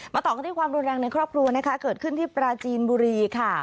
ต่อกันที่ความรุนแรงในครอบครัวนะคะเกิดขึ้นที่ปราจีนบุรีค่ะ